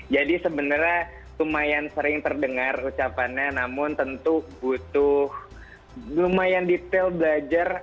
jadi sebenarnya lumayan sering terdengar ucapannya namun tentu butuh lumayan detail belajar